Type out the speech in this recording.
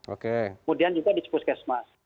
oke kemudian juga di cepuskesmas